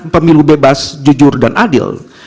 pemilu bebas jujur dan adil